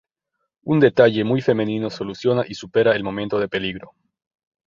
Un detalle muy femenino soluciona y supera el momento de peligro.